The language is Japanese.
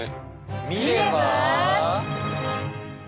見れば！